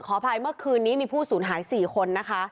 อภัยเมื่อคืนนี้มีผู้สูญหาย๔คนนะคะ